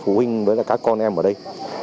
các bước phụ huynh với các con em ở đây